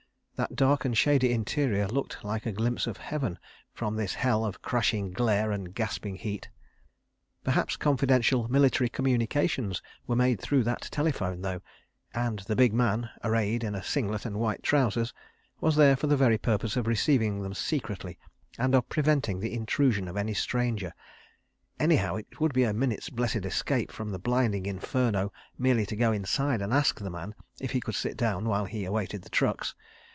That dark and shady interior looked like a glimpse of heaven from this hell of crashing glare and gasping heat. ... Perhaps confidential military communications were made through that telephone though, and the big man, arrayed in a singlet and white trousers, was there for the very purpose of receiving them secretly and of preventing the intrusion of any stranger? Anyhow—it would be a minute's blessed escape from the blinding inferno, merely to go inside and ask the man if he could sit down while he awaited the trucks.